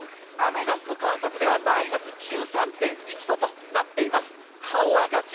アメダスの観測ではマイナス３８度となっています。